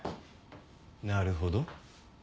なるほど。